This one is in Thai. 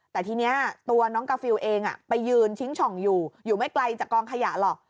แต่ทีนี้ตัวน้องกาฟิลเองไปยืนทิ้งช่องอยู่อยู่ไม่ไกลจากกองขยะหรอก